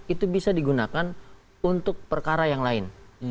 itu bisa digunakan untuk perkara yang lain